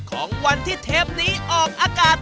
ของวันที่เทปนี้ออกอากาศ